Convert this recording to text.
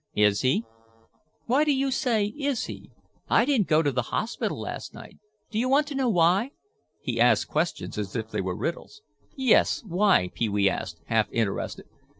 "Is he?" "Why do you say 'Is he?' I didn't go to the hospital last night. Do you want to know why?" He asked questions as if they were riddles. "Yes, why?" Pee wee asked, half interested.